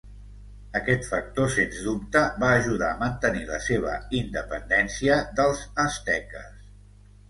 Aquest factor sens dubte va ajudar a mantenir la seva independència dels asteques.